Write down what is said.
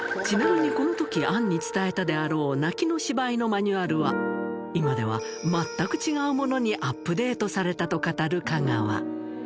ちなみに、このとき杏に伝えたであろう泣きの芝居のマニュアルは、今では全く違うものにアップデートされたと語る香川。